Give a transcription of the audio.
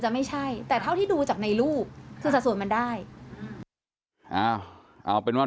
ไม่ใช่แต่เท่าที่ดูจากในรูปคือสัดส่วนมันได้เอาเป็นว่า